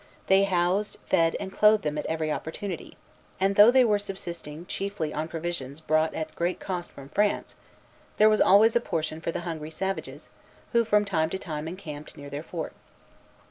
They housed, fed, and clothed them at every opportunity; and though they were subsisting chiefly on provisions brought at great cost from France, there was always a portion for the hungry savages who from time to time encamped near their fort.